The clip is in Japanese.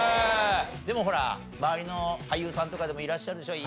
でもほら周りの俳優さんとかでもいらっしゃるでしょ？